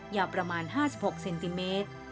ยาวประมาณ๕๖เซนติเมตร